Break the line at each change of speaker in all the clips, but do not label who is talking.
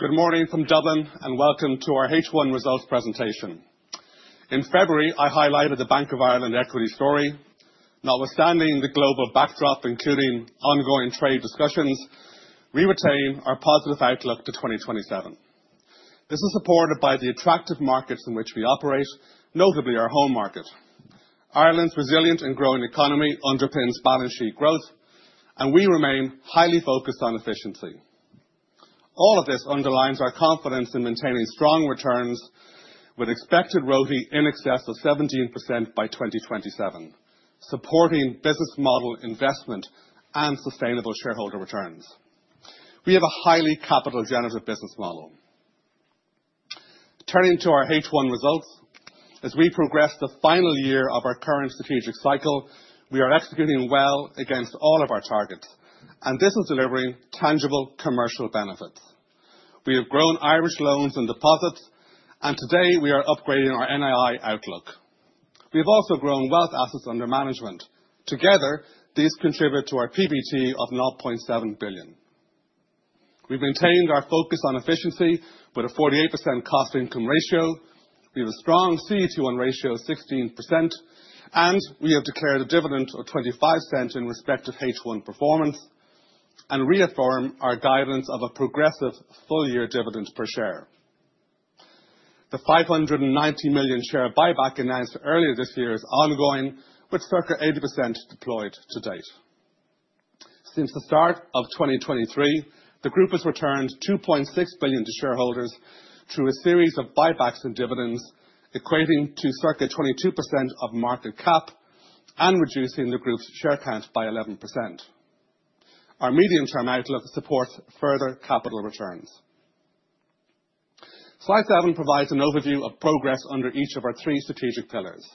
Good morning from Dublin, and welcome to our H1 Results Presentation. In February, I highlighted the Bank of Ireland equity story. Notwithstanding the global backdrop, including ongoing trade discussions, we retain our positive outlook to 2027. This is supported by the attractive markets in which we operate, notably our home market. Ireland's resilient and growing economy underpins balance sheet growth, and we remain highly focused on efficiency. All of this underlines our confidence in maintaining strong returns with expected ROTE in excess of 17% by 2027, supporting business model investment and sustainable shareholder returns. We have a highly capital-generative business model. Turning to our H1 results, as we progress the final year of our current strategic cycle, we are executing well against all of our targets, and this is delivering tangible commercial benefits. We have grown Irish loans and deposits, and today we are upgrading our NII outlook. We have also grown wealth assets under management. Together, these contribute to our PBT of 0.7 billion. We have maintained our focus on efficiency with a 48% cost-to-income ratio. We have a strong CET1 ratio of 16%. We have declared a dividend of 25% in respect of H1 performance and reaffirm our guidance of a progressive full-year dividend per share. The 590 million share buyback announced earlier this year is ongoing, with Circa 80% deployed to date. Since the start of 2023, the Group has returned 2.6 billion to shareholders through a series of buybacks and dividends, equating to Circa 22% of market cap and reducing the Group's share count by 11%. Our medium-term outlook supports further capital returns. Slide 7 provides an overview of progress under each of our three strategic pillars.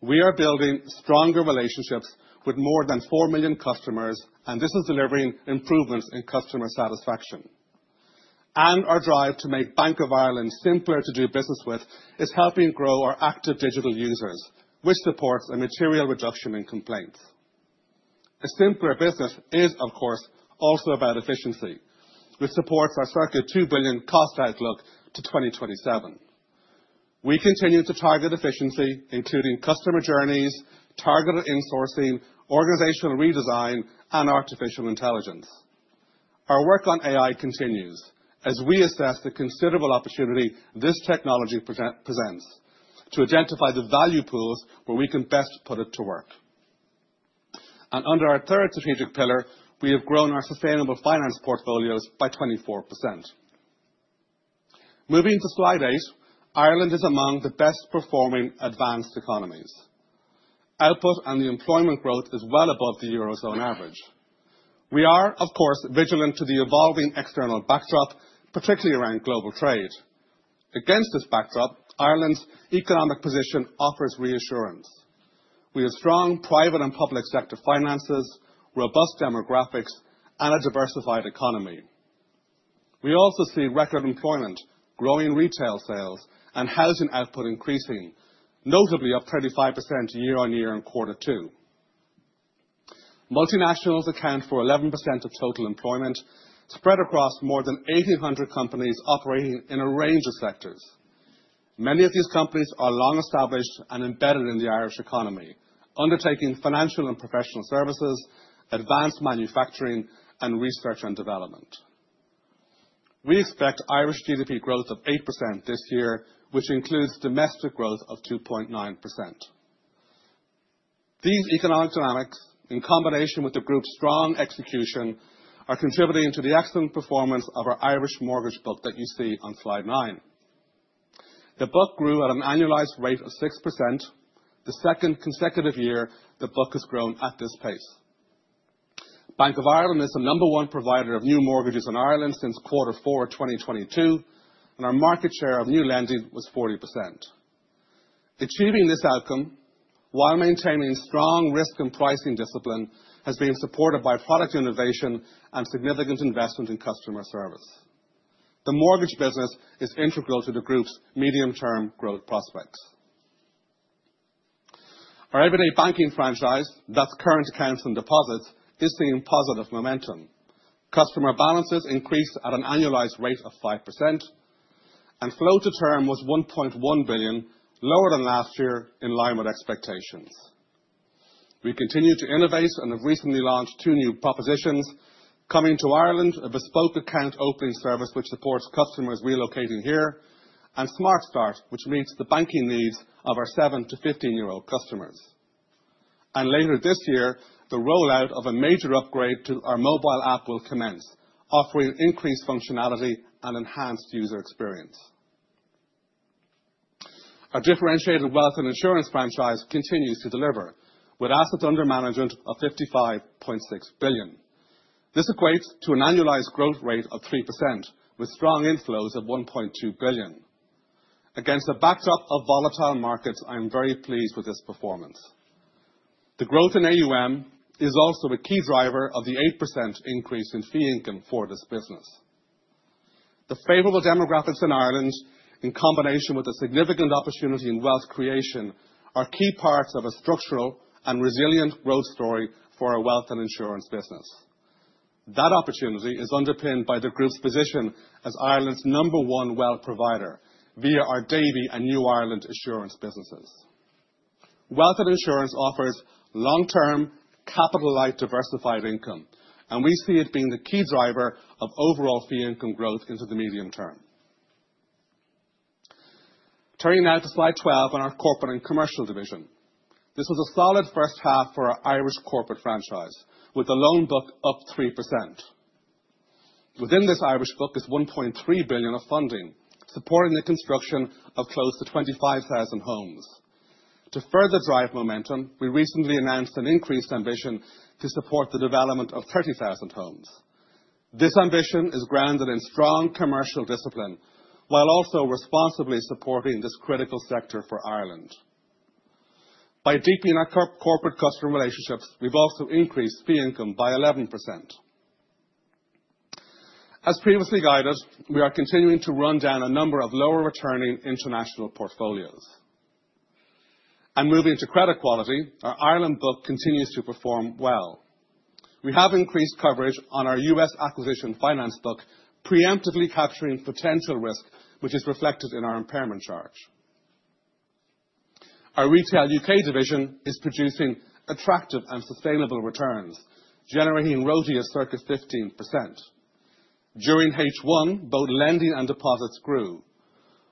We are building stronger relationships with more than 4 million customers, and this is delivering improvements in customer satisfaction. Our drive to make Bank of Ireland simpler to do business with is helping grow our active digital users, which supports a material reduction in complaints. A simpler business is, of course, also about efficiency, which supports our circa 2 billion cost outlook to 2027. We continue to target efficiency, including customer journeys, targeted insourcing, organizational redesign, and artificial intelligence. Our work on AI continues as we assess the considerable opportunity this technology presents to identify the value pools where we can best put it to work. Under our third strategic pillar, we have grown our sustainable finance portfolios by 24%. Moving to slide 8, Ireland is among the best-performing advanced economies. Output and employment growth is well above the Eurozone average. We are, of course, vigilant to the evolving external backdrop, particularly around global trade. Against this backdrop, Ireland's economic position offers reassurance. We have strong private and public sector finances, robust demographics, and a diversified economy. We also see record employment, growing retail sales, and housing output increasing, notably up 35% year-on-year in quarter 2. Multinationals account for 11% of total employment, spread across more than 1,800 companies operating in a range of sectors. Many of these companies are long-established and embedded in the Irish economy, undertaking financial and professional services, advanced manufacturing, and research and development. We expect Irish GDP growth of 8% this year, which includes domestic growth of 2.9%. These economic dynamics, in combination with the Group's strong execution, are contributing to the excellent performance of our Irish mortgage book that you see on slide 9. The book grew at an annualized rate of 6%. The second consecutive year the book has grown at this pace. Bank of Ireland is the number one provider of new mortgages in Ireland since quarter 4, 2022, and our market share of new lending was 40%. Achieving this outcome, while maintaining strong risk and pricing discipline, has been supported by product innovation and significant investment in customer service. The mortgage business is integral to the Group's medium-term growth prospects. Our everyday banking franchise, that is current accounts and deposits, is seeing positive momentum. Customer balances increased at an annualized rate of 5%. Flow-to-term was 1.1 billion, lower than last year, in line with expectations. We continue to innovate and have recently launched two new propositions: Coming to Ireland, a bespoke account opening service which supports customers relocating here, and Smart Start, which meets the banking needs of our 7 to 15-year-old customers. Later this year, the rollout of a major upgrade to our mobile app will commence, offering increased functionality and enhanced user experience. Our differentiated wealth and insurance franchise continues to deliver, with assets under management of 55.6 billion. This equates to an annualized growth rate of 3%, with strong inflows of 1.2 billion. Against a backdrop of volatile markets, I am very pleased with this performance. The growth in AUM is also a key driver of the 8% increase in fee income for this business. The favorable demographics in Ireland, in combination with the significant opportunity in wealth creation, are key parts of a structural and resilient growth story for our wealth and insurance business. That opportunity is underpinned by the Group's position as Ireland's number one wealth provider via our Davy and New Ireland Assurance businesses. Wealth and insurance offers long-term, capital-light diversified income, and we see it being the key driver of overall fee income growth into the medium term. Turning now to slide 12 on our corporate and commercial division. This was a solid first half for our Irish corporate franchise, with the loan book up 3%. Within this Irish book is 1.3 billion of funding, supporting the construction of close to 25,000 homes. To further drive momentum, we recently announced an increased ambition to support the development of 30,000 homes. This ambition is grounded in strong commercial discipline, while also responsibly supporting this critical sector for Ireland. By deepening our corporate-customer relationships, we've also increased fee income by 11%. As previously guided, we are continuing to run down a number of lower-returning international portfolios. Moving to credit quality, our Ireland book continues to perform well. We have increased coverage on our US acquisition finance book, preemptively capturing potential risk, which is reflected in our impairment charge. Our retail U.K. division is producing attractive and sustainable returns, generating ROTE of circa 15%. During H1, both lending and deposits grew.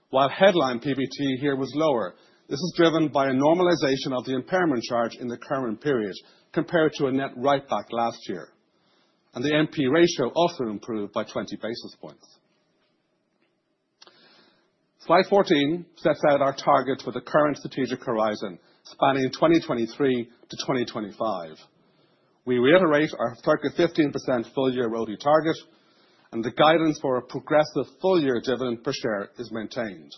While headline PBT here was lower, this is driven by a normalization of the impairment charge in the current period compared to a net write-back last year, and the NPE ratio also improved by 20 basis points. Slide 14 sets out our targets for the current strategic horizon, spanning 2023 to 2025. We reiterate our circa 15% full-year ROTE target, and the guidance for a progressive full-year dividend per share is maintained.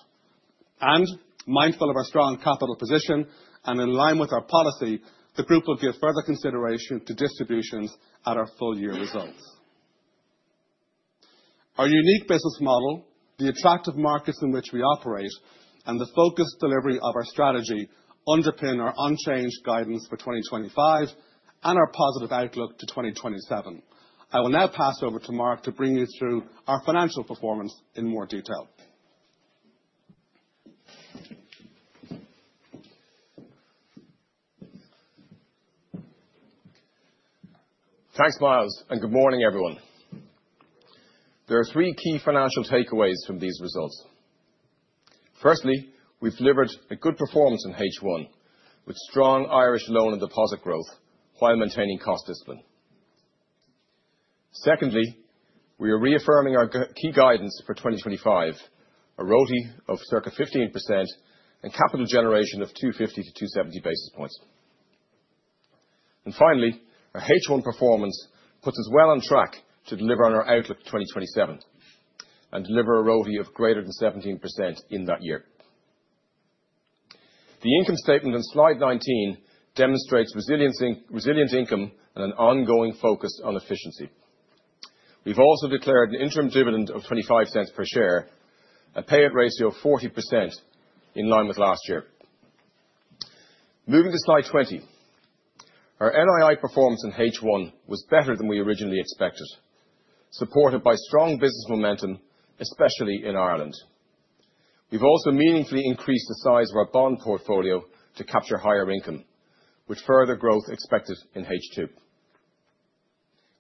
Mindful of our strong capital position and in line with our policy, the Group will give further consideration to distributions at our full-year results. Our unique business model, the attractive markets in which we operate, and the focused delivery of our strategy underpin our unchanged guidance for 2025 and our positive outlook to 2027. I will now pass over to Mark to bring you through our financial performance in more detail.
Thanks, Myles, and good morning, everyone. There are three key financial takeaways from these results. Firstly, we've delivered a good performance in H1, with strong Irish loan and deposit growth while maintaining cost discipline. Secondly, we are reaffirming our key guidance for 2025, a ROTE of Circa 15% and capital generation of 250-270 basis points. Finally, our H1 performance puts us well on track to deliver on our outlook to 2027 and deliver a ROTE of greater than 17% in that year. The income statement on slide 19 demonstrates resilient income and an ongoing focus on efficiency. We've also declared an interim dividend of 0.25 per share, a payout ratio of 40% in line with last year. Moving to slide 20. Our NII performance in H1 was better than we originally expected, supported by strong business momentum, especially in Ireland. We've also meaningfully increased the size of our bond portfolio to capture higher income, with further growth expected in H2.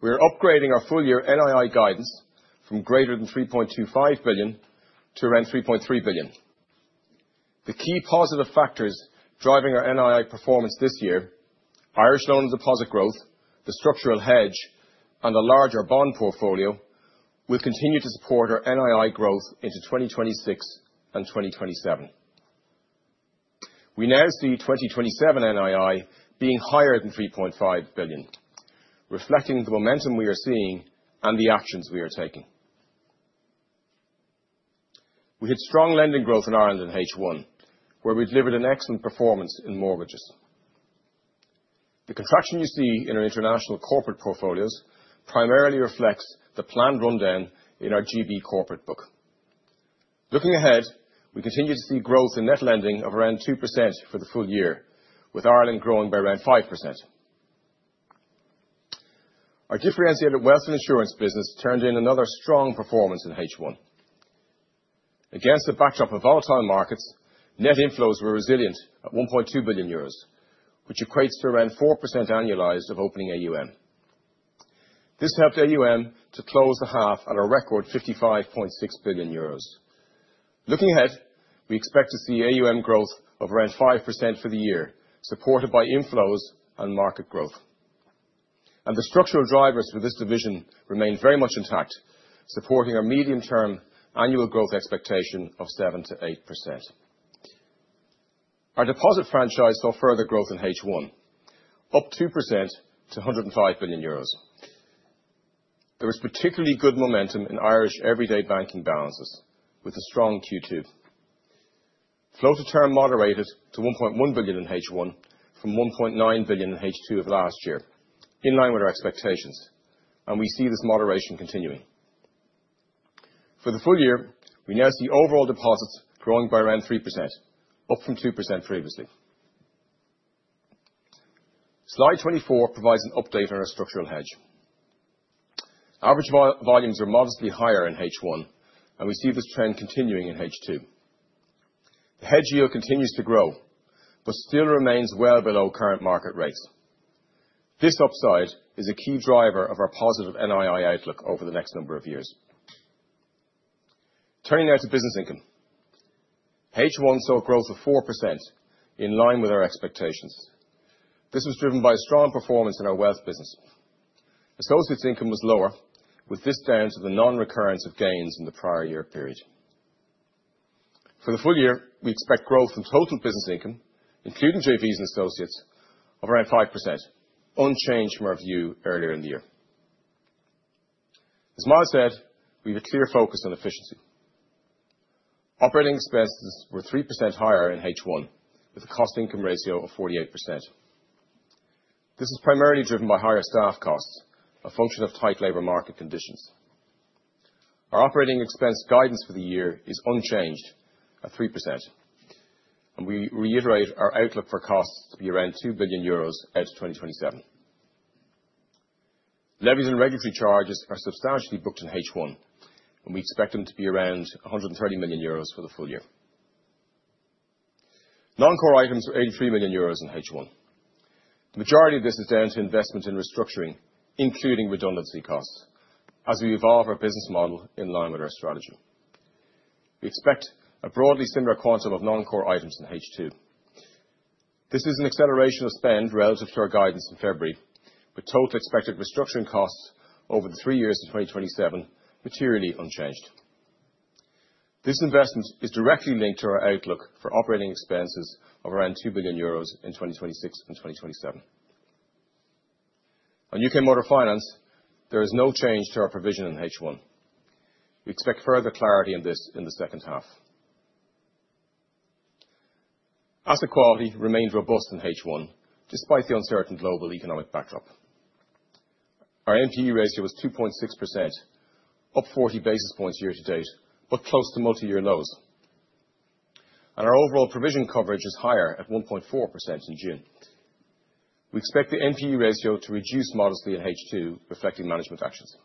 We are upgrading our full-year NII guidance from greater than 3.25 billion to around 3.3 billion. The key positive factors driving our NII performance this year—Irish loan and deposit growth, the structural hedge, and a larger bond portfolio—will continue to support our NII growth into 2026 and 2027. We now see 2027 NII being higher than 3.5 billion, reflecting the momentum we are seeing and the actions we are taking. We had strong lending growth in Ireland in H1, where we delivered an excellent performance in mortgages. The contraction you see in our international corporate portfolios primarily reflects the planned rundown in our GB corporate book. Looking ahead, we continue to see growth in net lending of around 2% for the full year, with Ireland growing by around 5%. Our differentiated wealth and insurance business turned in another strong performance in H1. Against the backdrop of volatile markets, net inflows were resilient at 1.2 billion euros, which equates to around 4% annualized of opening AUM. This helped AUM to close the half at a record 55.6 billion euros. Looking ahead, we expect to see AUM growth of around 5% for the year, supported by inflows and market growth. The structural drivers for this division remain very much intact, supporting our medium-term annual growth expectation of 7-8%. Our deposit franchise saw further growth in H1, up 2% to 105 billion euros. There was particularly good momentum in Irish everyday banking balances, with a strong Q2. Flow-to-term moderated to 1.1 billion in H1 from 1.9 billion in H2 of last year, in line with our expectations, and we see this moderation continuing. For the full year, we now see overall deposits growing by around 3%, up from 2% previously. Slide 24 provides an update on our structural hedge. Average volumes are modestly higher in H1, and we see this trend continuing in H2. The hedge yield continues to grow, but still remains well below current market rates. This upside is a key driver of our positive NII outlook over the next number of years. Turning now to business income. H1 saw growth of 4%, in line with our expectations. This was driven by strong performance in our wealth business. Associates income was lower, with this down to the non-recurrence of gains in the prior year period. For the full year, we expect growth in total business income, including JVs and associates, of around 5%, unchanged from our view earlier in the year. As Myles said, we have a clear focus on efficiency. Operating expenses were 3% higher in H1, with a cost-to-income ratio of 48%. This is primarily driven by higher staff costs, a function of tight labor market conditions. Our operating expense guidance for the year is unchanged at 3%. We reiterate our outlook for costs to be around 2 billion euros out to 2027. Levies and regulatory charges are substantially booked in H1, and we expect them to be around 130 million euros for the full year. Non-core items were 83 million euros in H1. The majority of this is down to investment in restructuring, including redundancy costs, as we evolve our business model in line with our strategy. We expect a broadly similar quantum of non-core items in H2. This is an acceleration of spend relative to our guidance in February, with total expected restructuring costs over the three years to 2027 materially unchanged. This investment is directly linked to our outlook for operating expenses of around 2 billion euros in 2026 and 2027. On U.K. Motor Finance, there is no change to our provision in H1. We expect further clarity in this in the second half. Asset quality remained robust in H1, despite the uncertain global economic backdrop. Our NPE ratio was 2.6%. Up 40 basis points year to date, but close to multi-year lows. Our overall provision coverage is higher at 1.4% in June. We expect the NPE ratio to reduce modestly in H2, reflecting management actions.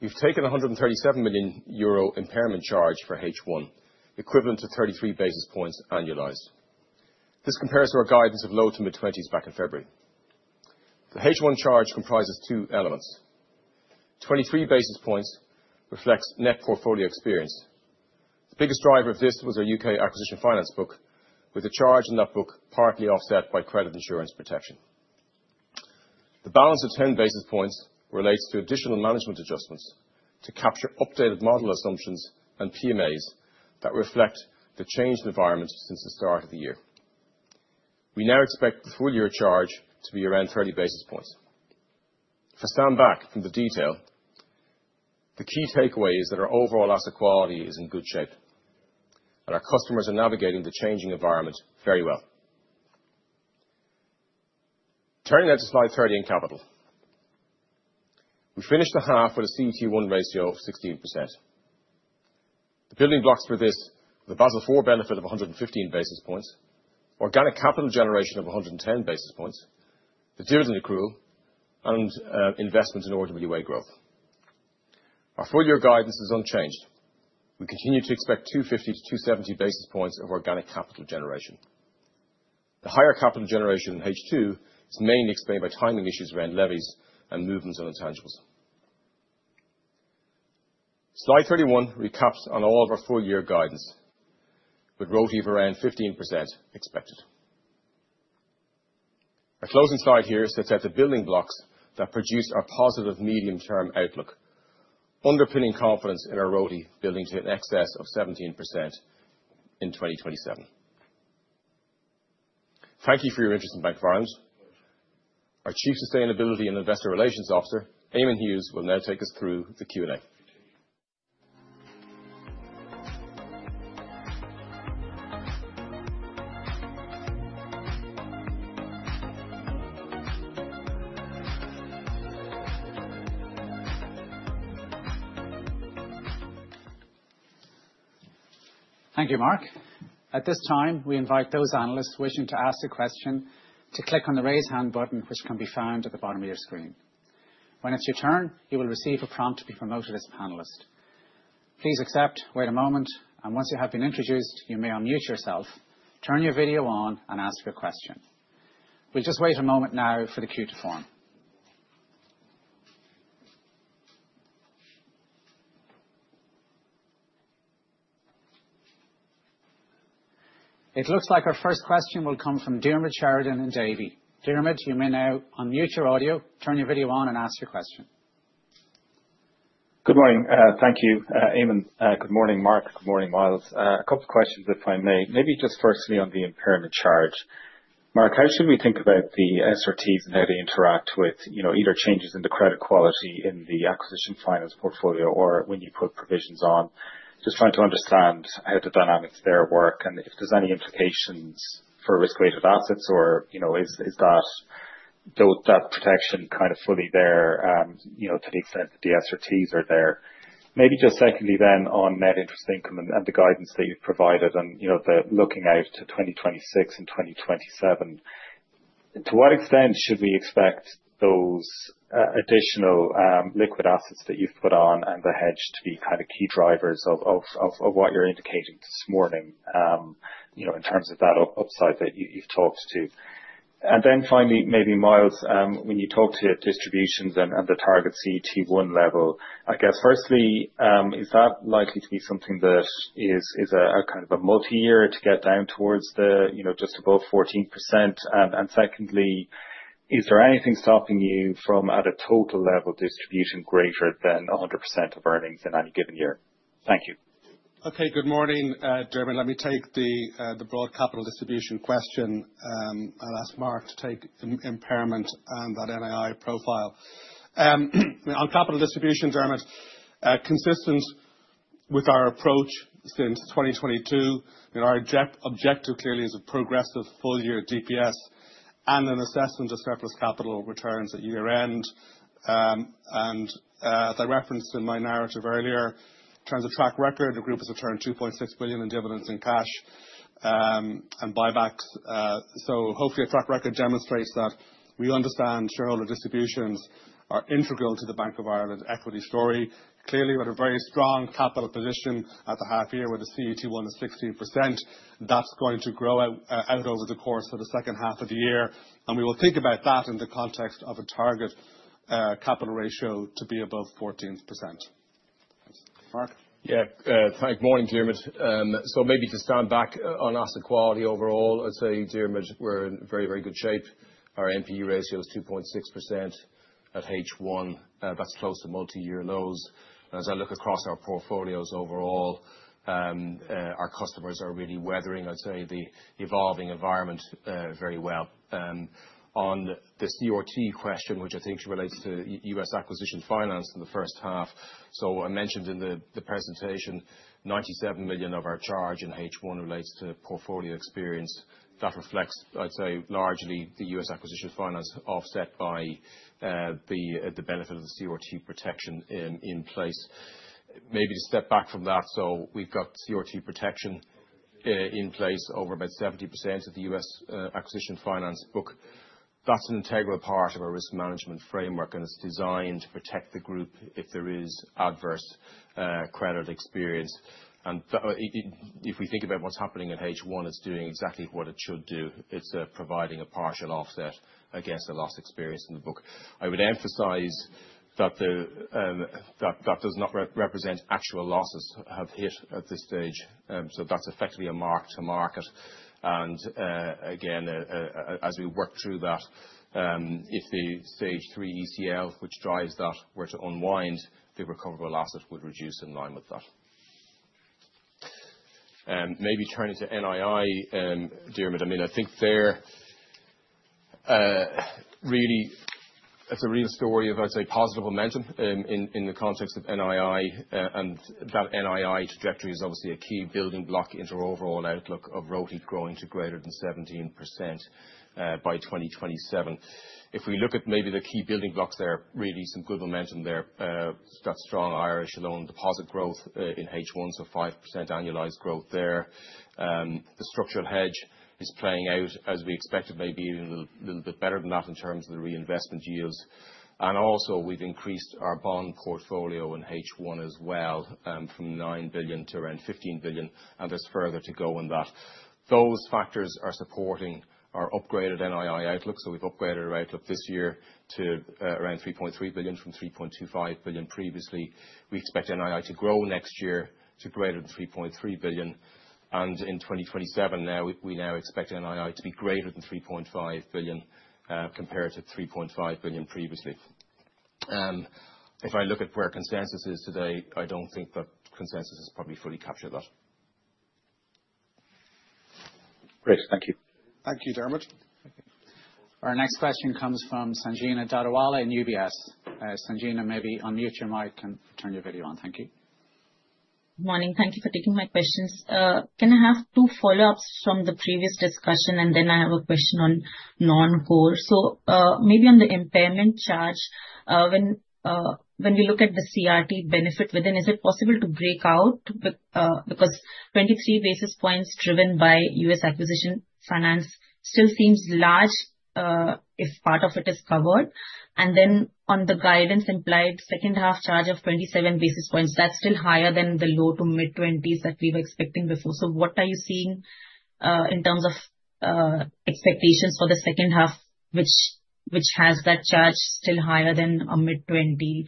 We've taken a 137 million euro impairment charge for H1, equivalent to 33 basis points annualized. This compares to our guidance of low to mid-20s back in February. The H1 charge comprises two elements. 23 basis points reflects net portfolio experience. The biggest driver of this was our U.K. acquisition finance book, with a charge in that book partly offset by credit insurance protection. The balance of 10 basis points relates to additional management adjustments to capture updated model assumptions and PMAs that reflect the changed environment since the start of the year. We now expect the full-year charge to be around 30 basis points. If I stand back from the detail, the key takeaway is that our overall asset quality is in good shape, and our customers are navigating the changing environment very well. Turning now to slide 30 in capital. We finished the half with a CET1 ratio of 16%. The building blocks for this are the Basel IV benefit of 115 basis points, organic capital generation of 110 basis points, the dividend accrual, and investment in orderly way growth. Our full-year guidance is unchanged. We continue to expect 250-270 basis points of organic capital generation. The higher capital generation in H2 is mainly explained by timing issues around levies and movements on intangibles. Slide 31 recaps on all of our full-year guidance, with ROTE of around 15% expected. Our closing slide here sets out the building blocks that produce our positive medium-term outlook, underpinning confidence in our ROTE building to an excess of 17% in 2027. Thank you for your interest in Bank of Ireland. Our Chief Sustainability and Investor Relations Officer, Eamonn Hughes, will now take us through the Q&A.
Thank you, Mark. At this time, we invite those analysts wishing to ask a question to click on the raise hand button, which can be found at the bottom of your screen. When it's your turn, you will receive a prompt to be promoted as a panelist. Please accept, wait a moment, and once you have been introduced, you may unmute yourself, turn your video on, and ask your question. We'll just wait a moment now for the queue to form. It looks like our first question will come from Diarmaid Sheridan on Davy. Diarmaid Sheridan, you may now unmute your audio, turn your video on, and ask your question.
Good morning. Thank you, Eamonn. Good morning, Mark. Good morning, Myles. A couple of questions, if I may. Maybe just firstly on the impairment charge. Mark, how should we think about the SRTs and how they interact with either changes in the credit quality in the acquisition finance portfolio or when you put provisions on? Just trying to understand how the dynamics there work and if there's any implications for risk-weighted assets or is that protection kind of fully there to the extent that the SRTs are there. Maybe just secondly then on net interest income and the guidance that you've provided and the looking out to 2026 and 2027. To what extent should we expect those additional liquid assets that you've put on and the hedge to be kind of key drivers of what you're indicating this morning. In terms of that upside that you've talked to. And then finally, maybe, Myles, when you talk to distributions and the target CET1 level, I guess, firstly, is that likely to be something that is a kind of a multi-year to get down towards just above 14%? And secondly, is there anything stopping you from at a total level distribution greater than 100% of earnings in any given year? Thank you.
Okay, good morning, Diarmaid. Let me take the broad capital distribution question. I'll ask Mark to take impairment and that NII profile. On capital distribution, Diarmaid, consistent with our approach since 2022, our objective clearly is a progressive full-year DPS and an assessment of surplus capital returns at year-end. As I referenced in my narrative earlier, in terms of track record, the group has returned 2.6 billion in dividends in cash and buybacks. Hopefully a track record demonstrates that we understand shareholder distributions are integral to the Bank of Ireland equity story. Clearly, we're at a very strong capital position at the half-year where the CET1 is 16%. That's going to grow out over the course of the second half of the year. We will think about that in the context of a target capital ratio to be above 14%. Thanks, Mark.
Yeah, thank morning, Diarmaid. Maybe to stand back on asset quality overall, I'd say, Diarmaid, we're in very, very good shape. Our NPE ratio is 2.6% at H1. That's close to multi-year lows. As I look across our portfolios overall, our customers are really weathering, I'd say, the evolving environment very well. On this SRT question, which I think relates to US acquisition finance in the first half, I mentioned in the presentation, 97 million of our charge in H1 relates to portfolio experience. That reflects, I'd say, largely the US acquisition finance offset by the benefit of the CRT protection in place. Maybe to step back from that, we've got CRT protection in place over about 70% of the US acquisition finance book. That's an integral part of our risk management framework, and it's designed to protect the group if there is adverse credit experience. If we think about what's happening at H1, it's doing exactly what it should do. It's providing a partial offset against the loss experience in the book. I would emphasize that does not represent actual losses have hit at this stage. That's effectively a mark to market. Again, as we work through that, if the stage three ECL, which drives that, were to unwind, the recoverable asset would reduce in line with that. Maybe turning to NII, Diarmaid, I mean, I think there, really, it's a real story of, I'd say, positive momentum in the context of NII, and that NII trajectory is obviously a key building block into our overall outlook of ROTE growing to greater than 17% by 2027. If we look at maybe the key building blocks there, really some good momentum there. It's got strong Irish loan deposit growth in H1, so 5% annualized growth there. The structural hedge is playing out, as we expected, maybe even a little bit better than that in terms of the reinvestment yields. Also, we've increased our bond portfolio in H1 as well, from 9 billion to around 15 billion, and there's further to go on that. Those factors are supporting our upgraded NII outlook. We've upgraded our outlook this year to around 3.3 billion from 3.25 billion previously. We expect NII to grow next year to greater than 3.3 billion. In 2027, we now expect NII to be greater than 3.5 billion compared to 3.5 billion previously. If I look at where consensus is today, I don't think that consensus has probably fully captured that.
Great, thank you.
Thank you, Diarmaid.
Our next question comes from Sanjivani Dadawala in UBS. Sanjivani, maybe unmute your mic and turn your video on. Thank you.
Good morning. Thank you for taking my questions. Can I have two follow-ups from the previous discussion? I have a question on non-core. Maybe on the impairment charge, when we look at the CRT benefit within, is it possible to break out? Because 23 basis points driven by US acquisition finance still seems large. If part of it is covered. On the guidance implied, second half charge of 27 basis points, that's still higher than the low to mid-20s that we were expecting before. What are you seeing in terms of expectations for the second half, which has that charge still higher than a mid-20s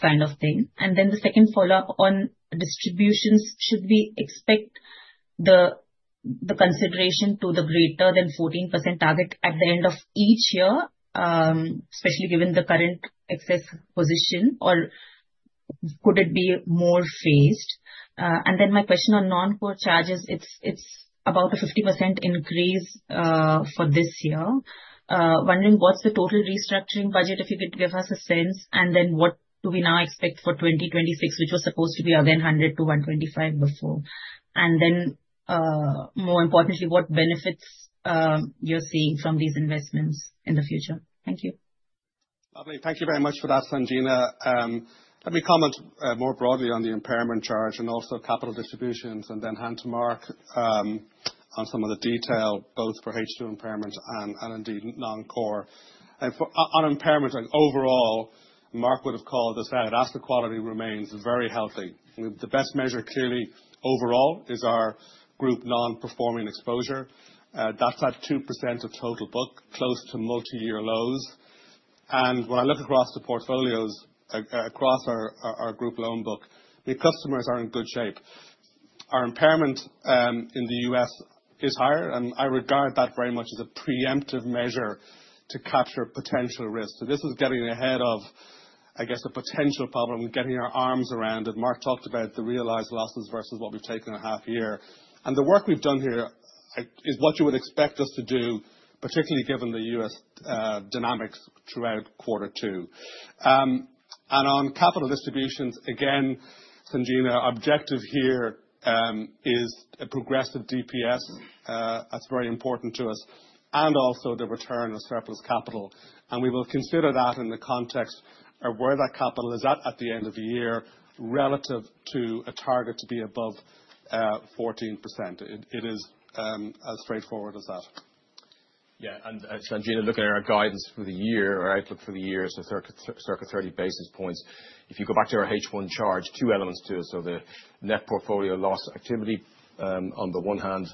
kind of thing? The second follow-up on distributions, should we expect the consideration to the greater than 14% target at the end of each year, especially given the current excess position, or could it be more phased? My question on non-core charges, it's about a 50% increase for this year. Wondering what's the total restructuring budget, if you could give us a sense, and what do we now expect for 2026, which was supposed to be again 100-125 before? More importantly, what benefits you're seeing from these investments in the future? Thank you.
Lovely. Thank you very much for that, Sanjivani. Let me comment more broadly on the impairment charge and also capital distributions, and then hand to Mark. On some of the detail, both for H2 impairment and indeed non-core. On impairment overall, Mark would have called this out, asset quality remains very healthy. The best measure clearly overall is our group non-performing exposure. That is at 2% of total book, close to multi-year lows. When I look across the portfolios, across our group loan book, the customers are in good shape. Our impairment in the US is higher, and I regard that very much as a preemptive measure to capture potential risk. This is getting ahead of, I guess, a potential problem and getting our arms around it. Mark talked about the realized losses versus what we have taken at half year. The work we have done here is what you would expect us to do, particularly given the US dynamics throughout quarter two. On capital distributions, again, Sanjivani, our objective here is a progressive DPS. That is very important to us, and also the return of surplus capital. We will consider that in the context of where that capital is at at the end of the year relative to a target to be above 14%. It is as straightforward as that.
Yeah, and Sanjivani, looking at our guidance for the year, our outlook for the year is a circa 30 basis points. If you go back to our H1 charge, two elements to it. The net portfolio loss activity on the one hand,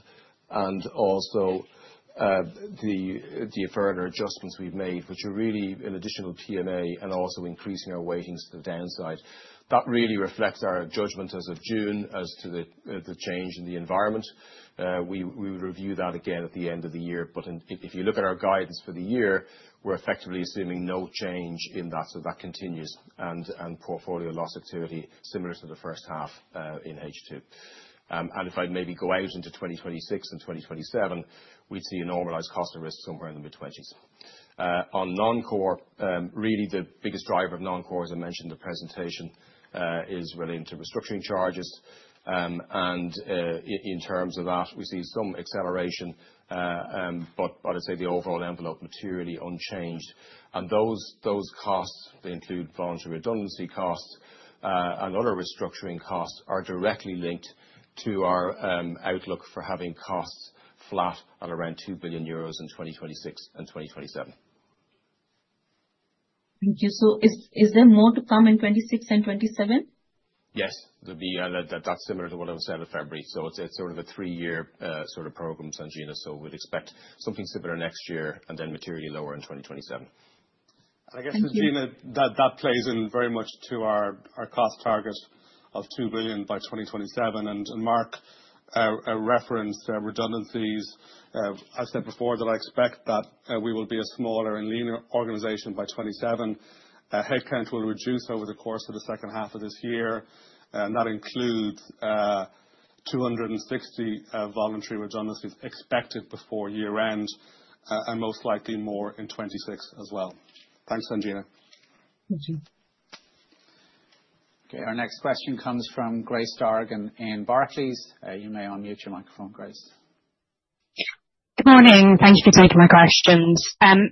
and also the further adjustments we've made, which are really an additional TMA and also increasing our weightings to the downside. That really reflects our judgment as of June as to the change in the environment. We would review that again at the end of the year. If you look at our guidance for the year, we're effectively assuming no change in that. That continues. Portfolio loss activity similar to the first half in H2. If I maybe go out into 2026 and 2027, we'd see a normalized cost of risk somewhere in the mid-20s. On non-core, really the biggest driver of non-core, as I mentioned in the presentation, is related to restructuring charges. In terms of that, we see some acceleration. I'd say the overall envelope materially unchanged. Those costs, they include voluntary redundancy costs and other restructuring costs, are directly linked to our outlook for having costs flat at around 2 billion euros in 2026 and 2027.
Thank you. Is there more to come in 2026 and 2027?
Yes. That's similar to what I was saying in February. It is sort of a three-year sort of program, Sanjivani. We would expect something similar next year and then materially lower in 2027.
I guess, Sanjivani, that plays in very much to our cost target of 2 billion by 2027. Mark, reference redundancies. I've said before that I expect that we will be a smaller and leaner organization by 2027. Headcount will reduce over the course of the second half of this year. That includes 260 voluntary redundancies expected before year-end and most likely more in 2026 as well. Thanks, Sanjivani.
Thank you.
Okay, our next question comes from Grace Darragh in Barclays. You may unmute your microphone, Grace.
Good morning. Thank you for taking my questions.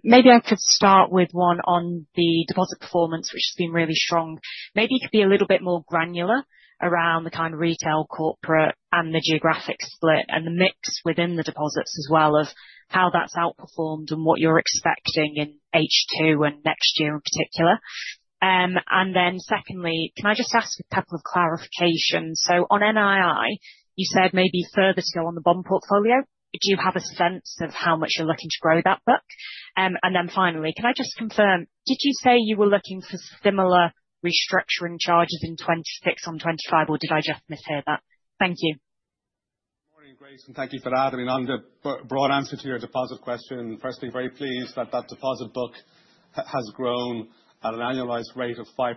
Maybe I could start with one on the deposit performance, which has been really strong. Maybe you could be a little bit more granular around the kind of retail, corporate, and the geographic split and the mix within the deposits as well, of how that's outperformed and what you're expecting in H2 and next year in particular. Then secondly, can I just ask a couple of clarifications? On NII, you said maybe further to go on the bond portfolio. Do you have a sense of how much you're looking to grow that book? Finally, can I just confirm, did you say you were looking for similar restructuring charges in 2026 and 2025, or did I just mishear that? Thank you.
Good morning, Grace, and thank you for adding on the broad answer to your deposit question. Firstly, very pleased that that deposit book has grown at an annualized rate of 5%.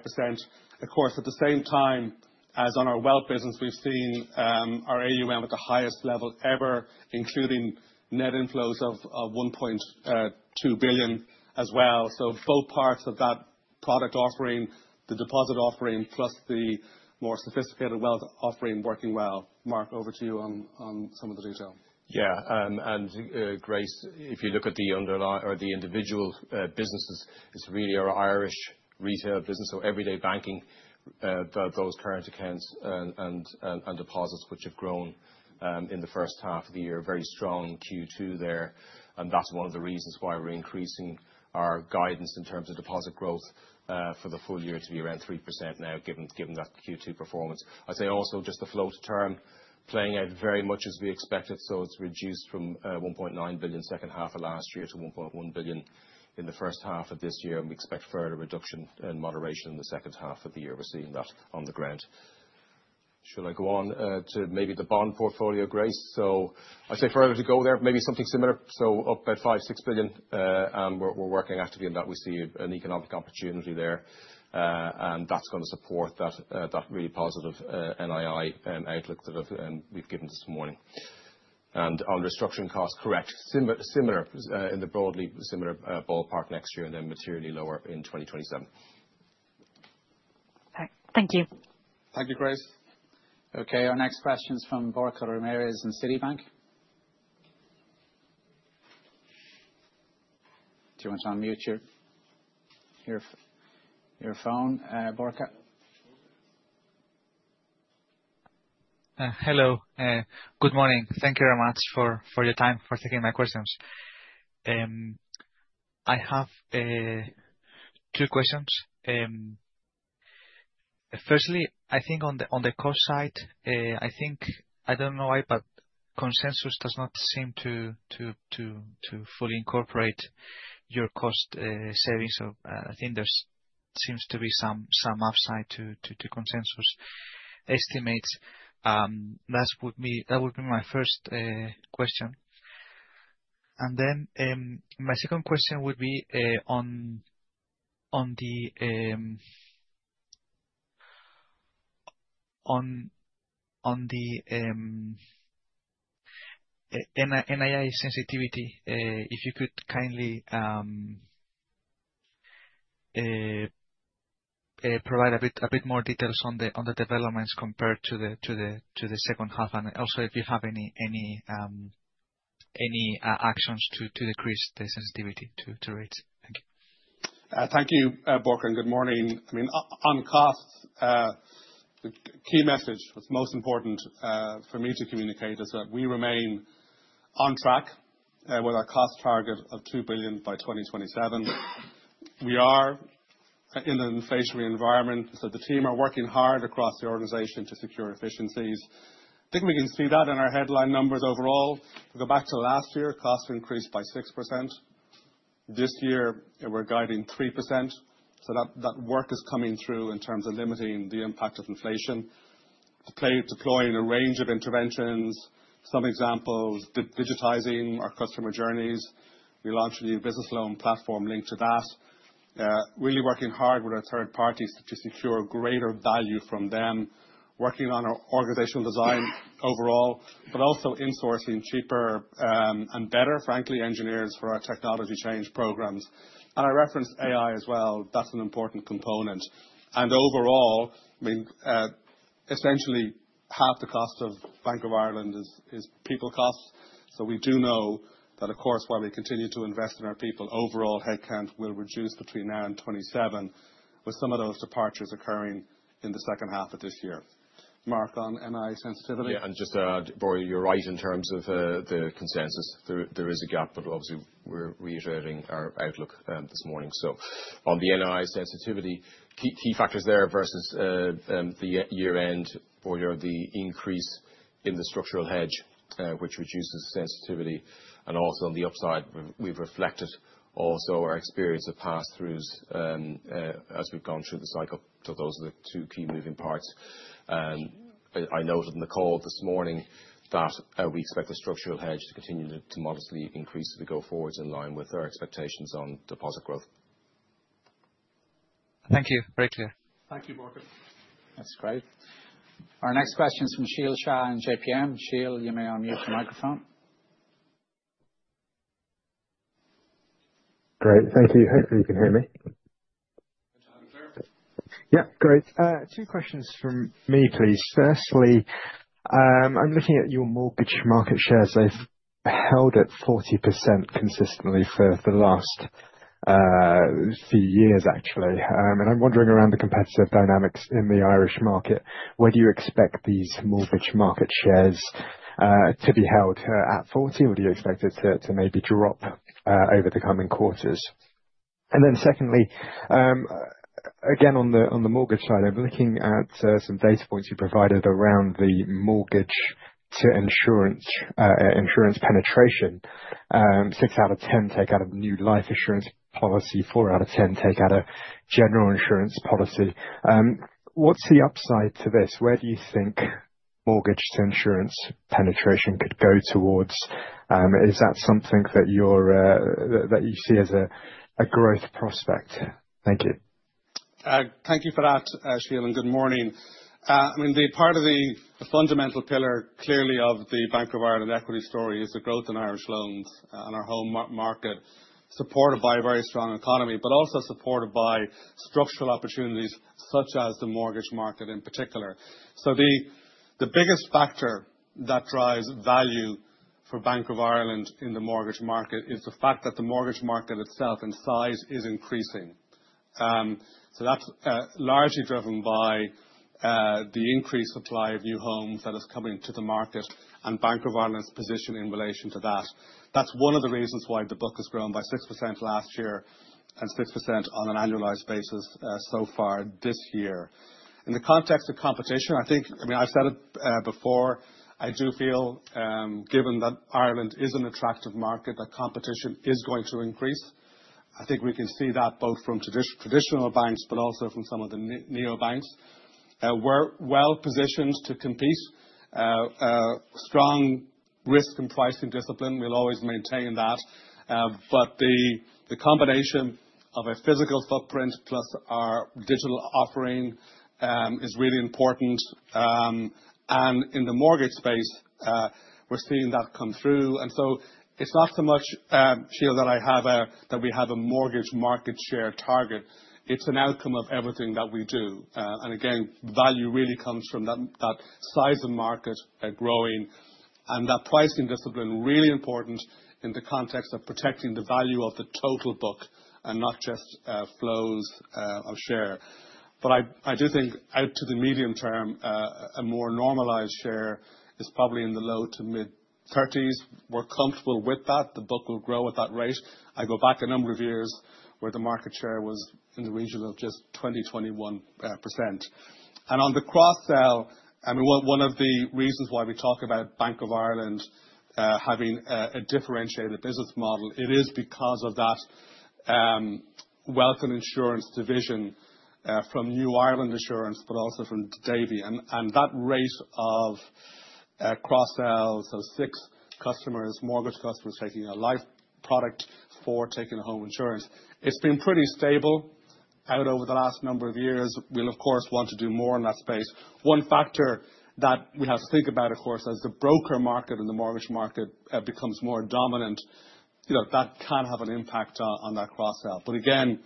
Of course, at the same time as on our wealth business, we've seen our AUM at the highest level ever, including net inflows of 1.2 billion as well. Both parts of that product offering, the deposit offering, plus the more sophisticated wealth offering working well. Mark, over to you on some of the detail.
Yeah, and Grace, if you look at the individual businesses, it's really our Irish retail business, so everyday banking. Those current accounts and deposits which have grown in the first half of the year, very strong Q2 there. That's one of the reasons why we're increasing our guidance in terms of deposit growth for the full year to be around 3% now, given that Q2 performance. I'd say also just the flow-to-term playing out very much as we expected. It's reduced from 1.9 billion second half of last year to 1.1 billion in the first half of this year. We expect further reduction and moderation in the second half of the year. We're seeing that on the ground. Shall I go on to maybe the bond portfolio, Grace? I'd say further to go there, maybe something similar. Up about 5-6 billion. We're working actively on that. We see an economic opportunity there. That's going to support that really positive NII outlook that we've given this morning. On restructuring costs, correct, similar in the broadly similar ballpark next year and then materially lower in 2027.
Thank you.
Thank you, Grace.
Okay, our next question is from Borka Ramirez in Citibank. Do you want to unmute your phone, Borka?
Hello, good morning. Thank you very much for your time for taking my questions. I have two questions. Firstly, I think on the cost side, I think, I do not know why, but consensus does not seem to fully incorporate your cost savings. I think there seems to be some upside to consensus estimates. That would be my first question. My second question would be on the NII sensitivity, if you could kindly provide a bit more details on the developments compared to the second half. Also, if you have any actions to decrease the sensitivity to rates. Thank you.
Thank you, Borka, and good morning. I mean, on cost. The key message that's most important for me to communicate is that we remain on track with our cost target of 2 billion by 2027. We are in an inflationary environment, so the team are working hard across the organization to secure efficiencies. I think we can see that in our headline numbers overall. If we go back to last year, costs increased by 6%. This year, we're guiding 3%. That work is coming through in terms of limiting the impact of inflation. Deploying a range of interventions, some examples, digitizing our customer journeys. We launched a new business loan platform linked to that. Really working hard with our third parties to secure greater value from them, working on our organizational design overall, but also insourcing cheaper and better, frankly, engineers for our technology change programs. I referenced AI as well. That's an important component. Overall, I mean, essentially half the cost of Bank of Ireland is people costs. We do know that, of course, while we continue to invest in our people, overall headcount will reduce between now and 2027, with some of those departures occurring in the second half of this year. Mark, on NII sensitivity?
Yeah, and just to add, Borka, you're right in terms of the consensus. There is a gap, but obviously we're reiterating our outlook this morning. On the NII sensitivity, key factors there versus the year-end, Borka, the increase in the structural hedge, which reduces sensitivity. Also on the upside, we've reflected also our experience of pass-throughs as we've gone through the cycle. Those are the two key moving parts. I noted in the call this morning that we expect the structural hedge to continue to modestly increase as we go forward in line with our expectations on deposit growth.
Thank you. Very clear.
Thank you, Borka.
That's great. Our next question is from Shailesh Shah in JPM. Shail, you may unmute your microphone.
Great, thank you. Hopefully, you can hear me. Yeah, great. Two questions from me, please. Firstly, I'm looking at your mortgage market shares. They've held at 40% consistently for the last few years, actually. I'm wondering around the competitive dynamics in the Irish market. Where do you expect these mortgage market shares to be held at 40%, or do you expect it to maybe drop over the coming quarters? Secondly, again, on the mortgage side, I'm looking at some data points you provided around the mortgage to insurance penetration. Six out of 10 take out a new life insurance policy, four out of 10 take out a general insurance policy. What's the upside to this? Where do you think mortgage to insurance penetration could go towards? Is that something that you see as a growth prospect? Thank you.
Thank you for that, Shail, and good morning. I mean, part of the fundamental pillar clearly of the Bank of Ireland equity story is the growth in Irish loans and our home market supported by a very strong economy, but also supported by structural opportunities such as the mortgage market in particular. The biggest factor that drives value for Bank of Ireland in the mortgage market is the fact that the mortgage market itself in size is increasing. That is largely driven by the increased supply of new homes that is coming to the market and Bank of Ireland's position in relation to that. That is one of the reasons why the book has grown by 6% last year and 6% on an annualized basis so far this year. In the context of competition, I think, I mean, I have said it before, I do feel given that Ireland is an attractive market, that competition is going to increase. I think we can see that both from traditional banks, but also from some of the neobanks. We are well positioned to compete. Strong risk and pricing discipline. We will always maintain that. The combination of a physical footprint plus our digital offering is really important. In the mortgage space, we are seeing that come through. It is not so much, Shail, that we have a mortgage market share target. It is an outcome of everything that we do. Again, value really comes from that size of market growing. That pricing discipline is really important in the context of protecting the value of the total book and not just flows of share. I do think out to the medium term, a more normalized share is probably in the low to mid-30%. We are comfortable with that. The book will grow at that rate. I go back a number of years where the market share was in the region of just 20-21%. On the cross-sell, I mean, one of the reasons why we talk about Bank of Ireland having a differentiated business model, it is because of that wealth and insurance division from New Ireland Assurance, but also from Davy. That rate of cross-sells, so six customers, mortgage customers taking a life product or taking home insurance, it has been pretty stable out over the last number of years. We will, of course, want to do more in that space. One factor that we have to think about, of course, as the broker market and the mortgage market becomes more dominant, that can have an impact on that cross-sell. Again,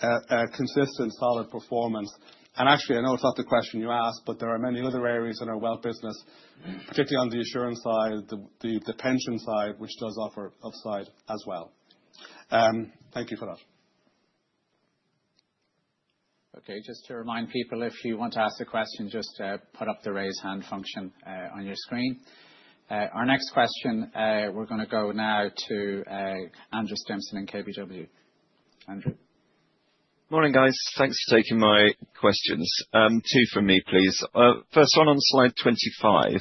consistent, solid performance. Actually, I know it is not the question you asked, but there are many other areas in our wealth business, particularly on the insurance side, the pension side, which does offer upside as well. Thank you for that.
Okay, just to remind people, if you want to ask a question, just put up the raise hand function on your screen. Our next question, we're going to go now to Andrew Stimpson of KBW. Andrew.
Morning, guys. Thanks for taking my questions. Two from me, please. First one on slide 25.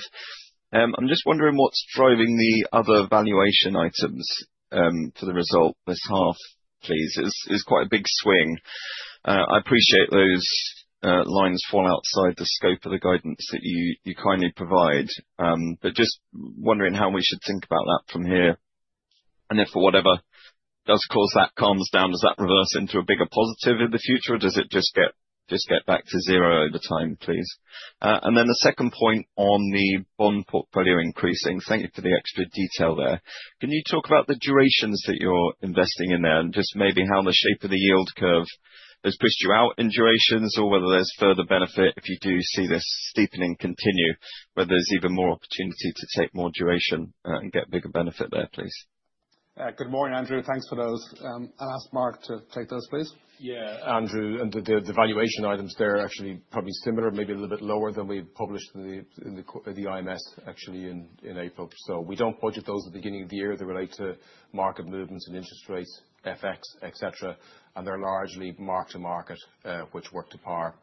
I'm just wondering what's driving the other valuation items for the result this half, please. It's quite a big swing. I appreciate those lines fall outside the scope of the guidance that you kindly provide, but just wondering how we should think about that from here. If for whatever does cause that calms down, does that reverse into a bigger positive in the future, or does it just get back to zero over time, please? The second point on the bond portfolio increasing, thank you for the extra detail there. Can you talk about the durations that you're investing in there and just maybe how the shape of the yield curve has pushed you out in durations or whether there's further benefit if you do see this steepening continue, whether there's even more opportunity to take more duration and get bigger benefit there, please?
Good morning, Andrew. Thanks for those. I ask Mark to take those, please.
Yeah, Andrew, the valuation items there are actually probably similar, maybe a little bit lower than we published in the IMS actually in April. We do not budget those at the beginning of the year. They relate to market movements and interest rates, FX, etc. They are largely mark to market, which work to par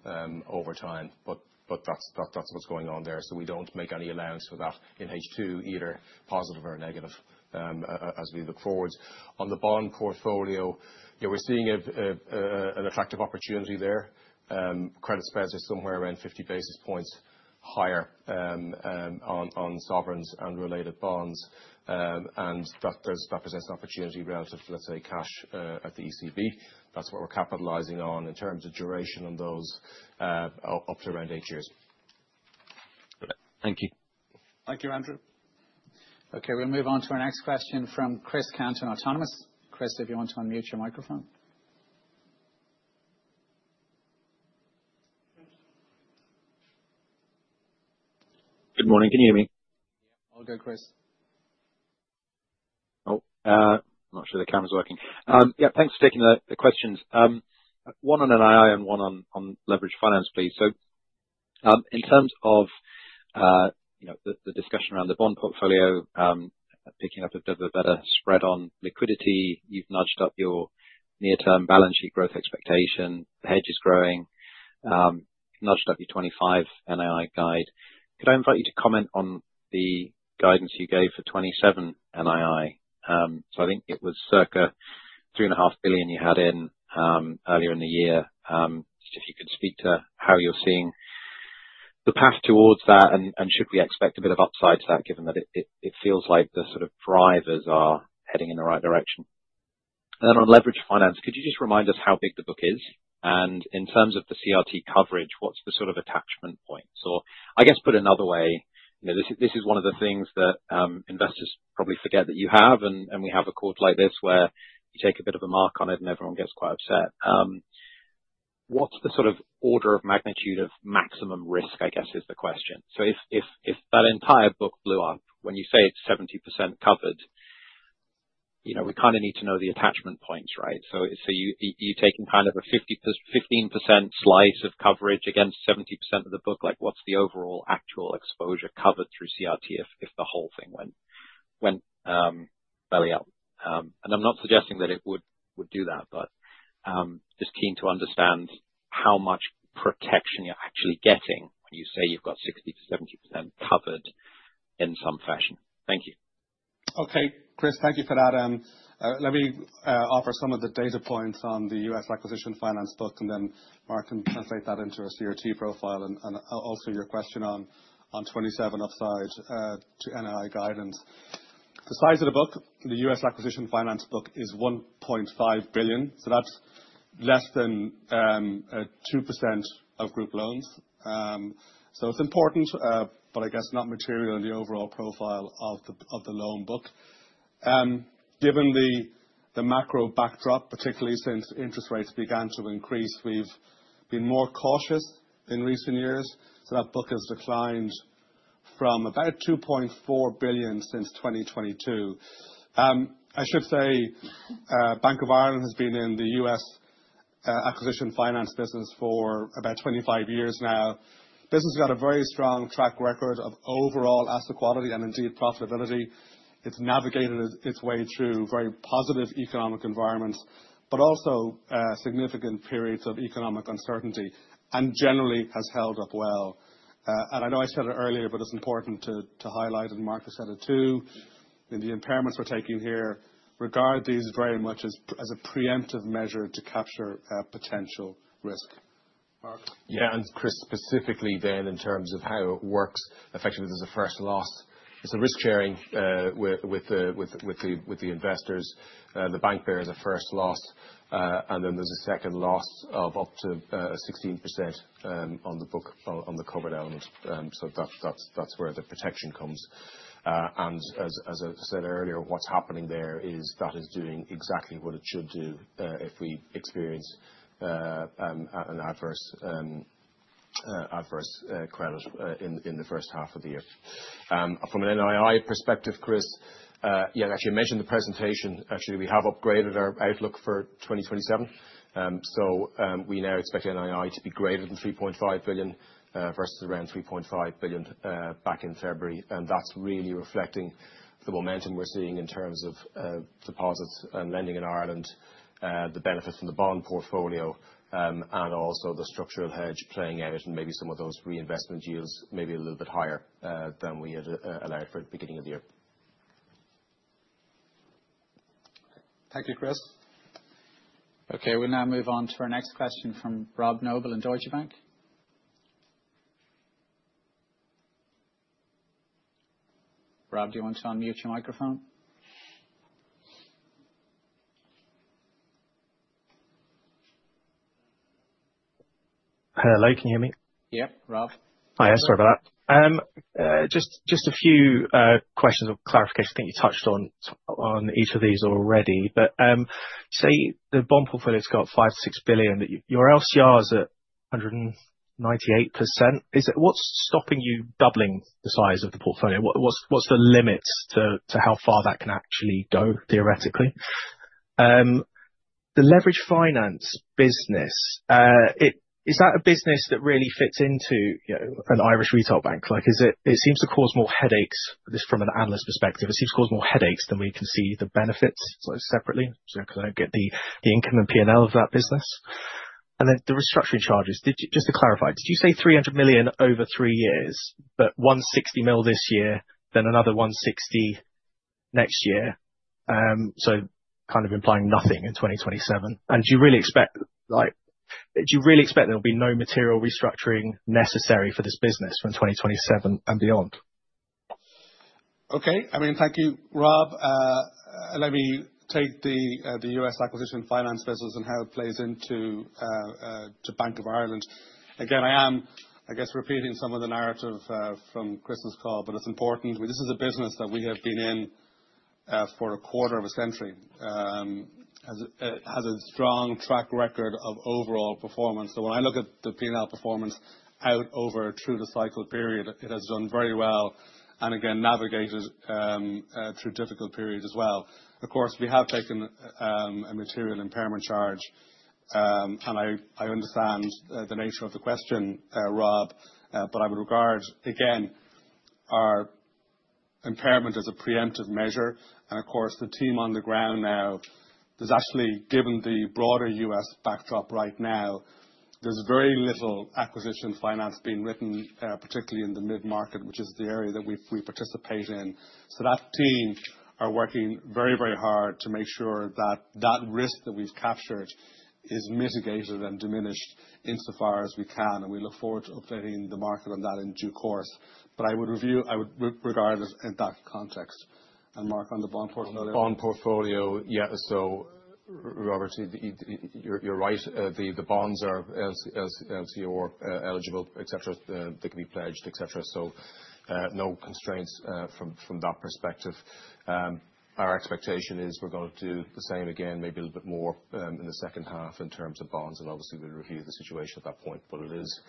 over time. That is what is going on there. We do not make any allowance for that in H2 either, positive or negative, as we look forward. On the bond portfolio, we are seeing an attractive opportunity there. Credit spreads are somewhere around 50 basis points higher on sovereigns and related bonds. That presents an opportunity relative, let us say, to cash at the ECB. That is what we are capitalizing on in terms of duration on those, up to around eight years.
Thank you.
Thank you, Andrew.
Okay, we'll move on to our next question from Chris Cant on Autonomous. Chris, if you want to unmute your microphone.
Good morning. Can you hear me?
Yeah, all good, Chris.
Oh, I'm not sure the camera's working. Yeah, thanks for taking the questions. One on NII and one on leverage finance, please. In terms of the discussion around the bond portfolio, picking up a bit of a better spread on liquidity, you've nudged up your near-term balance sheet growth expectation. The hedge is growing. Nudged up your 2025 NII guide. Could I invite you to comment on the guidance you gave for 2027 NII? I think it was circa €3.5 billion you had in earlier in the year. If you could speak to how you're seeing the path towards that and should we expect a bit of upside to that, given that it feels like the sort of drivers are heading in the right direction? And then on leverage finance, could you just remind us how big the book is? In terms of the CRT coverage, what's the sort of attachment points? Or I guess put another way, this is one of the things that investors probably forget that you have, and we have a quarter like this where you take a bit of a mark on it and everyone gets quite upset. What's the sort of order of magnitude of maximum risk, I guess, is the question. If that entire book blew up, when you say it's 70% covered, we kind of need to know the attachment points, right? Are you taking kind of a 15% slice of coverage against 70% of the book? What's the overall actual exposure covered through CRT if the whole thing went belly up? I'm not suggesting that it would do that, but just keen to understand how much protection you're actually getting when you say you've got 60% - 70% covered in some fashion. Thank you.
Okay, Chris, thank you for that. Let me offer some of the data points on the US acquisition finance book, and then Mark can translate that into a CRT profile and also your question on 27% upside to NII guidance. The size of the book, the US acquisition finance book is 1.5 billion. That is less than 2% of group loans. It is important, but I guess not material in the overall profile of the loan book. Given the macro backdrop, particularly since interest rates began to increase, we have been more cautious in recent years. That book has declined from about 2.4 billion since 2022. I should say Bank of Ireland has been in the US acquisition finance business for about 25 years now. The business has got a very strong track record of overall asset quality and indeed profitability. It has navigated its way through very positive economic environments, but also significant periods of economic uncertainty and generally has held up well. I know I said it earlier, but it is important to highlight, and Mark has said it too, in the impairments we are taking here, regard these very much as a preemptive measure to capture potential risk. Mark?
Yeah, and Chris, specifically then in terms of how it works, effectively there's a first loss. It's a risk sharing with the investors. The bank bears a first loss. And then there's a second loss of up to 16% on the book on the covered elements. That's where the protection comes. As I said earlier, what's happening there is that is doing exactly what it should do if we experience an adverse credit in the first half of the year. From an NII perspective, Chris, yeah, actually I mentioned the presentation. Actually, we have upgraded our outlook for 2027. We now expect NII to be greater than 3.5 billion versus around 3.5 billion back in February. That's really reflecting the momentum we're seeing in terms of deposits and lending in Ireland, the benefit from the bond portfolio, and also the structural hedge playing out and maybe some of those reinvestment yields maybe a little bit higher than we had allowed for at the beginning of the year.
Thank you, Chris.
Okay, we'll now move on to our next question from Rob Noble in Deutsche Bank. Rob, do you want to unmute your microphone?
Hello, can you hear me?
Yeah, Rob.
Hi, sorry about that. Just a few questions of clarification. I think you touched on each of these already, but. Say the bond portfolio has got €5 billion - €6 billion, your LCR is at 198%. What's stopping you doubling the size of the portfolio? What's the limit to how far that can actually go theoretically? The leverage finance business. Is that a business that really fits into an Irish retail bank? It seems to cause more headaches from an analyst perspective. It seems to cause more headaches than we can see the benefits separately because I don't get the income and P&L of that business. And then the restructuring charges, just to clarify, did you say €300 million over three years, but €160 million this year, then another €160 million next year? So kind of implying nothing in 2027. And do you really expect. Do you really expect there'll be no material restructuring necessary for this business from 2027 and beyond?
Okay, I mean, thank you, Rob. Let me take the US acquisition finance business and how it plays into Bank of Ireland. Again, I am, I guess, repeating some of the narrative from Chris's call, but it's important. This is a business that we have been in for a quarter of a century. Has a strong track record of overall performance. When I look at the P&L performance out over through the cycle period, it has done very well and again navigated through difficult periods as well. Of course, we have taken a material impairment charge. I understand the nature of the question, Rob, but I would regard again our impairment as a preemptive measure. Of course, the team on the ground now, there's actually, given the broader US backdrop right now, there's very little acquisition finance being written, particularly in the mid-market, which is the area that we participate in. That team are working very, very hard to make sure that that risk that we've captured is mitigated and diminished insofar as we can. We look forward to updating the market on that in due course. I would regard it in that context. Mark on the bond portfolio.
On the bond portfolio, yeah. Robert, you're right. The bonds are LCO eligible, etc. They can be pledged, etc. No constraints from that perspective. Our expectation is we're going to do the same again, maybe a little bit more in the second half in terms of bonds. Obviously, we'll review the situation at that point. It is,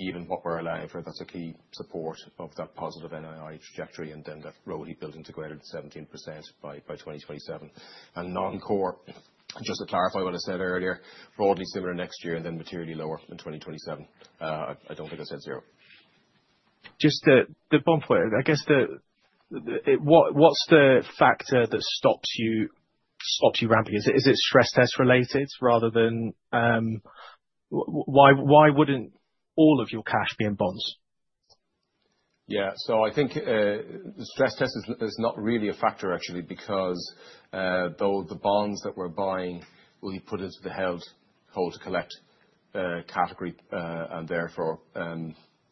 even what we're allowing for, that's a key support of that positive NII trajectory and then that ROTE built into greater than 17% by 2027. Non-core, just to clarify what I said earlier, broadly similar next year and then materially lower in 2027. I don't think I said zero.
Just the bond player, I guess. What's the factor that stops you? Ramping? Is it stress test related rather than—why wouldn't all of your cash be in bonds?
Yeah, I think the stress test is not really a factor actually because the bonds that we're buying will be put into the held hold to collect category and therefore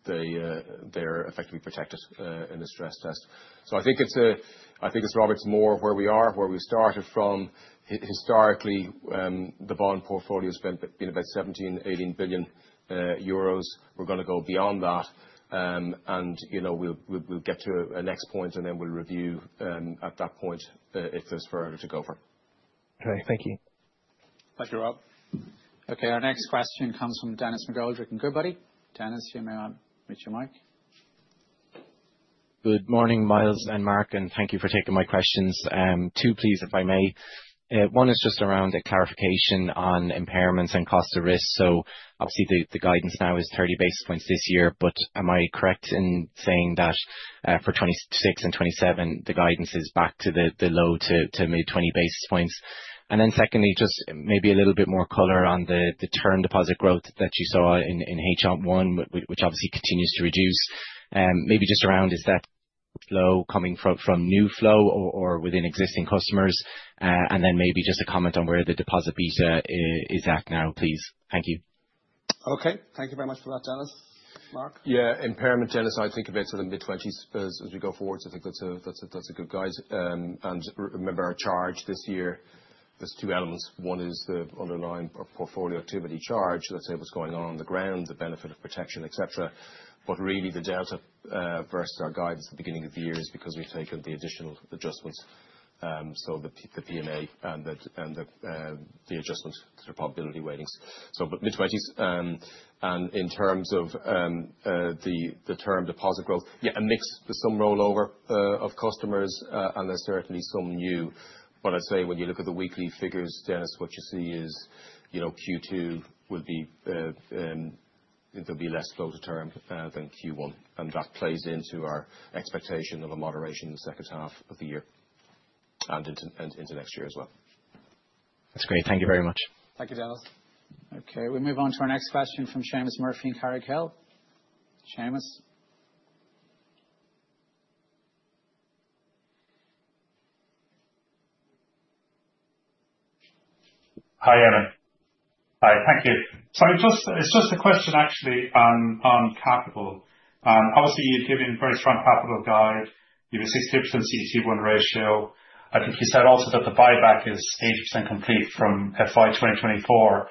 they're effectively protected in the stress test. I think it's, Robert, it's more of where we are, where we started from. Historically, the bond portfolio has been about 17 billion-18 billion euros. We're going to go beyond that and we'll get to a next point and then we'll review at that point if there's further to go for.
Okay, thank you.
Thank you, Rob.
Okay, our next question comes from Denis McGoldrick at Goodbody. Dennis, you may want to reach your mic.
Good morning, Myles and Mark, and thank you for taking my questions. Two, please, if I may. One is just around a clarification on impairments and cost of risk. So obviously, the guidance now is 30 basis points this year, but am I correct in saying that for 2026 and 2027, the guidance is back to the low to mid 20 basis points? And then secondly, just maybe a little bit more color on the term deposit growth that you saw in H1, which obviously continues to reduce. Maybe just around, is that flow coming from new flow or within existing customers? And then maybe just a comment on where the deposit beta is at now, please. Thank you.
Okay, thank you very much for that, Denis. Mark?
Yeah, impairment, Denis, I think of it as the mid 20s as we go forward. I think that's a good guide. Remember our charge this year, there's two elements. One is the underlying portfolio activity charge. Let's say what's going on on the ground, the benefit of protection, etc. Really the delta versus our guidance at the beginning of the year is because we've taken the additional adjustments. The PMA and the adjustments, the probability weightings. Mid 20s. In terms of the term deposit growth, yeah, a mix with some rollover of customers and there's certainly some new. I'd say when you look at the weekly figures, Dennis, what you see is Q2 will be, there'll be less flow to term than Q1. That plays into our expectation of a moderation in the second half of the year and into next year as well.
That's great. Thank you very much.
Thank you, Denis.
Okay, we move on to our next question from Seamus Murphy in Carrick Hill. Seamus.
Hi, Evan. Hi, thank you. It's just a question actually on capital. Obviously, you've given a very strong capital guide. You have a 16% CET1 ratio. I think you said also that the buyback is 80% complete from FY 2024.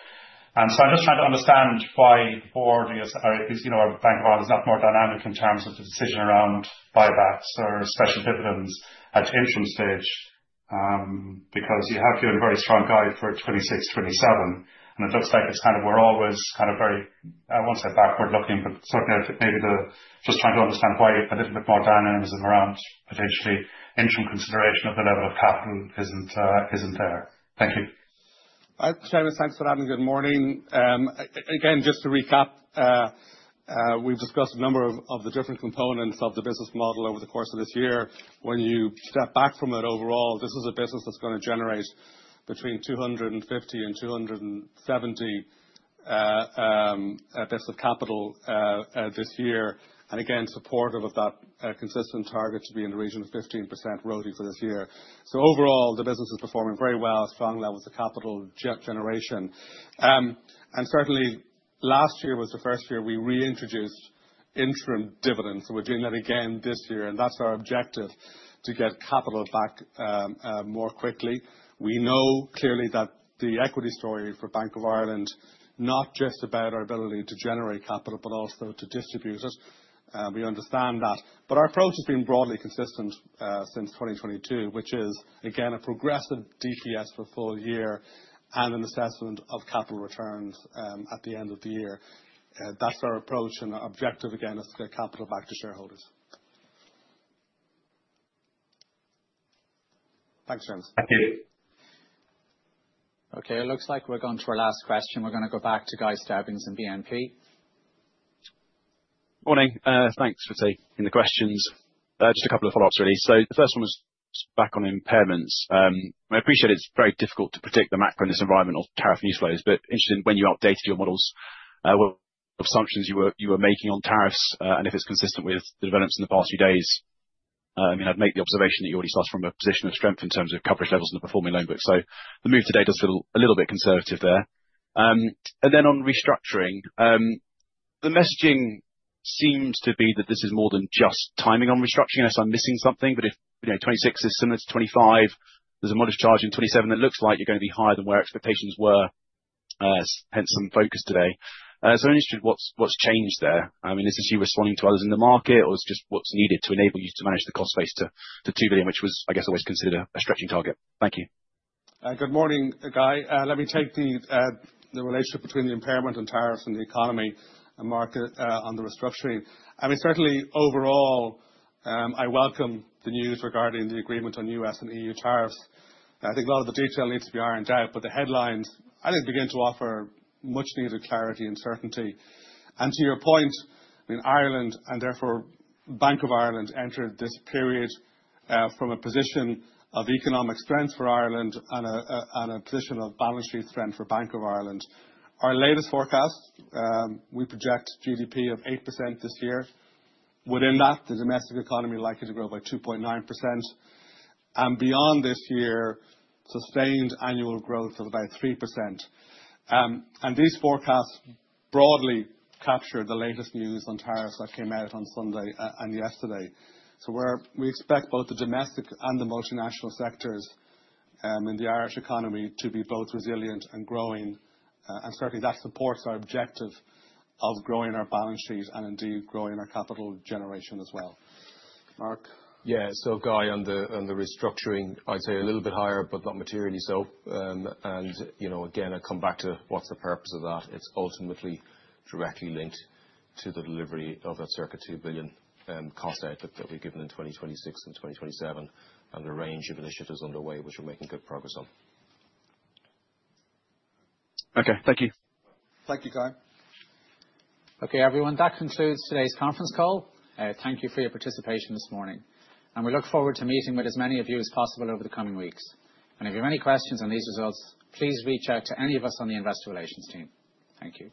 I'm just trying to understand why the board or at least Bank of Ireland is not more dynamic in terms of the decision around buybacks or special dividends at interim stage. You have given a very strong guide for 2026, 2027. It looks like it's kind of we're always kind of very, I won't say backward looking, but certainly maybe just trying to understand why a little bit more dynamism around potentially interim consideration of the level of capital isn't there. Thank you.
Hi, Seamus, thanks for that and good morning. Again, just to recap. We have discussed a number of the different components of the business model over the course of this year. When you step back from it overall, this is a business that is going to generate between 250 million and 270 million of capital this year. Again, supportive of that consistent target to be in the region of 15% ROTE for this year. Overall, the business is performing very well, strong levels of capital generation. Certainly, last year was the first year we reintroduced interim dividends. We are doing that again this year. That is our objective, to get capital back more quickly. We know clearly that the equity story for Bank of Ireland is not just about our ability to generate capital, but also to distribute it. We understand that. Our approach has been broadly consistent since 2022, which is again a progressive DPS for full year and an assessment of capital returns at the end of the year. That is our approach and our objective again is to get capital back to shareholders. Thanks, Seamus.
Thank you.
Okay, it looks like we're going to our last question. We're going to go back to Guy Stebbings of BNP.
Morning. Thanks for taking the questions. Just a couple of follow-ups, really. The first one was back on impairments. I appreciate it's very difficult to predict the macro in this environment of tariff news flows, but interesting when you updated your models. Assumptions you were making on tariffs and if it's consistent with the developments in the past few days. I mean, I'd make the observation that you already started from a position of strength in terms of coverage levels and the performing loan book. The move today does feel a little bit conservative there. On restructuring, the messaging seems to be that this is more than just timing on restructuring. I guess I'm missing something, but if 2026 is similar to 2025, there's a modest charge in 2027 that looks like you're going to be higher than where expectations were. Hence some focus today. I'm interested in what's changed there. I mean, is this you responding to others in the market or it's just what's needed to enable you to manage the cost base to 2 billion, which was, I guess, always considered a stretching target? Thank you.
Good morning, Guy. Let me take the relationship between the impairment and tariffs and the economy and market on the restructuring. I mean, certainly overall. I welcome the news regarding the agreement on U.S. and E.U. tariffs. I think a lot of the detail needs to be ironed out, but the headlines I think begin to offer much-needed clarity and certainty. To your point, I mean, Ireland and therefore Bank of Ireland entered this period from a position of economic strength for Ireland and a position of balance sheet strength for Bank of Ireland. Our latest forecast, we project GDP of 8% this year. Within that, the domestic economy likely to grow by 2.9%. Beyond this year, sustained annual growth of about 3%. These forecasts broadly capture the latest news on tariffs that came out on Sunday and yesterday. We expect both the domestic and the multinational sectors in the Irish economy to be both resilient and growing. Certainly that supports our objective of growing our balance sheet and indeed growing our capital generation as well. Mark?
Yeah, Guy, on the restructuring, I'd say a little bit higher, but not materially so. I come back to what's the purpose of that. It's ultimately directly linked to the delivery of that circa 2 billion cost output that we've given in 2026 and 2027 and the range of initiatives underway, which we're making good progress on.
Okay, thank you.
Thank you, Guy.
Okay, everyone, that concludes today's conference call. Thank you for your participation this morning. We look forward to meeting with as many of you as possible over the coming weeks. If you have any questions on these results, please reach out to any of us on the investor relations team. Thank you.